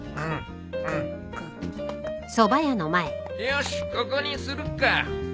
よしここにするか。